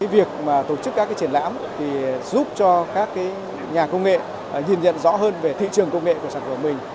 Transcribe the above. việc tổ chức các triển lãm giúp cho các nhà công nghệ nhìn nhận rõ hơn về thị trường công nghệ của sản phẩm mình